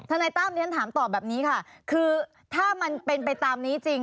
นายตั้มที่ฉันถามตอบแบบนี้ค่ะคือถ้ามันเป็นไปตามนี้จริง